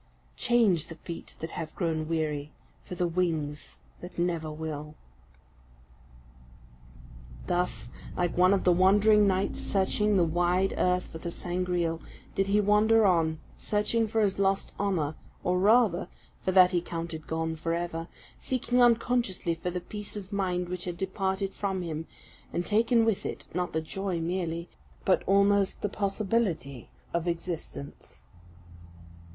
Change the feet that have grown weary For the wings that never will." Thus, like one of the wandering knights searching the wide earth for the Sangreal, did he wander on, searching for his lost honour, or rather (for that he counted gone for ever) seeking unconsciously for the peace of mind which had departed from him, and taken with it, not the joy merely, but almost the possibility, of existence.